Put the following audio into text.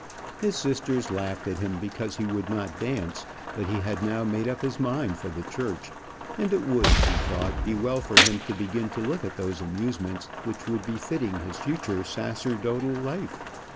His sisters laughed at him because he would not dance; but he had now made up his mind for the church, and it would, he thought, be well for him to begin to look to those amusements which would be befitting his future sacerdotal life.